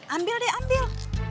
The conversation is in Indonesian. ambil deh ambil